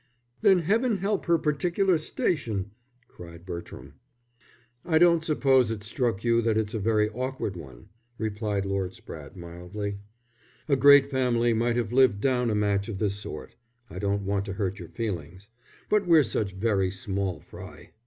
"Then Heaven help her particular station," cried Bertram. "I don't suppose it's struck you that it's a very awkward one," replied Lord Spratte, mildly. "A great family might have lived down a match of this sort, (I don't want to hurt your feelings,) but we're such very small fry.